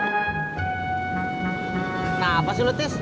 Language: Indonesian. nah apa sih lu tis